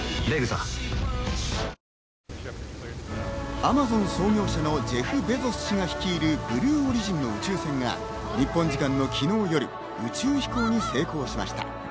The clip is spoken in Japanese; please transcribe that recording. アマゾン創業者のジェフ・ベゾス氏が率いるブルーオリジンの宇宙船が日本時間の昨日夜、宇宙飛行に成功しました。